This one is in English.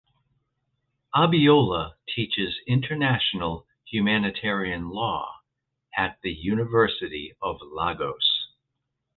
Abiola teaches International Humanitarian Law at the University of Lagos.